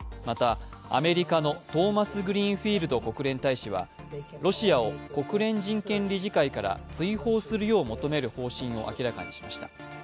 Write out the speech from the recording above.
またアメリカのトーマスグリーンフィールド国連大使はロシアを国連人権理事会から追放するよう求める方針を明らかにしました。